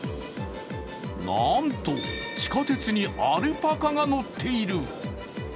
なんと、地下鉄にアルパカが乗っている。